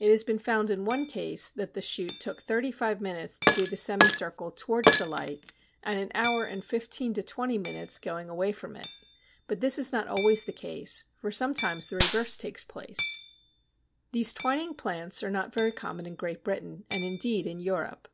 It has been found in one case that the shoot took thirty five minutes to do the semicircle towards the light, and an hour and fifteen to twenty minutes going away from it, but this is not always the case, for sometimes the reverse takes place (Baranetzki). Pfeffer, Pflanzen Physiologie, vol. 2, p. 412. These twining plants are not very common in Great Britain, and indeed in Europe.